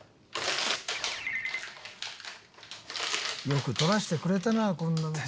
「よく撮らせてくれたなこんなの」